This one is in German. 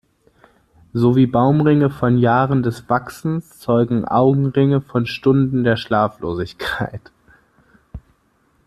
So wie Baumringe von Jahren des Wachsens zeugen Augenringe von Stunden der Schlaflosigkeit.